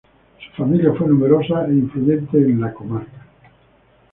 Su familia fue numerosa e influyente en La Comarca.